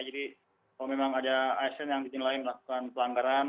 jadi kalau memang ada asn yang dinyilai melakukan pelanggaran